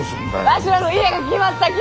わしらの家が決まったき！